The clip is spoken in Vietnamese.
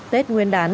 tết nguyên đán